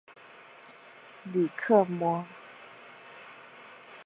吕克莫。